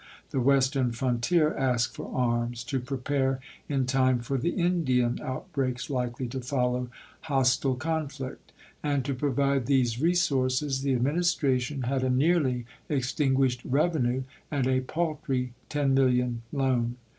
The Western frontier asked for arms, to prepare in time for the Indian outbreaks likely to follow hos 260 ABRAHAM LINCOLN chap.xiv. tile conflict. And to provide these resources, the Administration had a nearly extinguished revenue and a paltry ten million loan